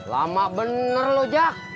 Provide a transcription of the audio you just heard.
lama bener lojak